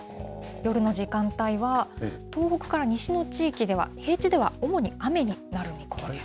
夜の時間帯は、東北から西の地域では平地では主に雨になる見込みです。